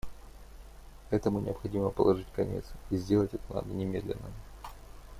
Этому необходимо положить конец и сделать это надо немедленно.